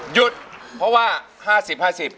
หยุดเพราะว่าห้าสิบห้าสิบ